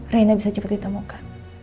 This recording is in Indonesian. rena bisa cepet ditemukan